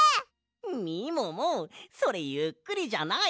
みももそれゆっくりじゃない！